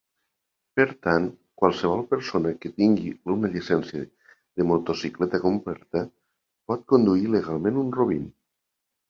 Per tant, qualsevol persona que tingui una "llicència de motocicleta completa" pot conduir legalment un Robin.